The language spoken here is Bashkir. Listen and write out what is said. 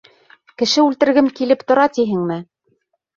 Кеше үлтергем килеп тора тиһеңме?